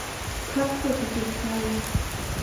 พรรคเศรษฐกิจไทย